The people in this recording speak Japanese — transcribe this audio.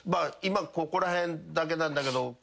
今ここらへんだけなんだけど。